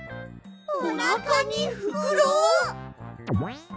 おなかにフクロ！？